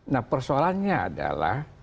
nah persoalannya adalah